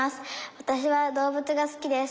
わたしは動物が好きです。